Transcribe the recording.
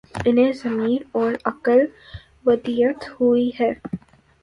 انہیں ضمیر اور عقل ودیعت ہوئی ہی